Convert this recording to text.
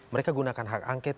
mereka gunakan hak angket